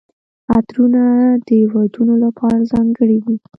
عطرونه د ودونو لپاره ځانګړي وي.